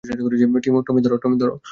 টমি, ধর!